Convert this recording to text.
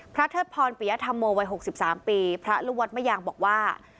พระเทศพรปิยธรรมโมวัย๖๓ปีพระรุวัตรมะยางบอกว่า